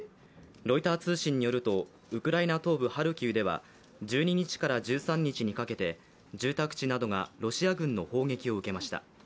ロイター通信によると、ウクライナ東部ハルキウでは、１２日から１３日にかけて住宅地などがロシア軍の砲撃を受けました。